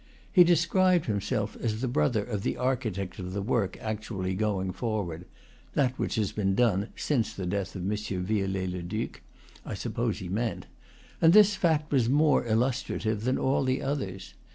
He described himself as the brother of the architect of the work actually going forward (that which has been done since the death of M. Viol let le Duc, I suppose he meant), and this fact was more illustrative than all the others.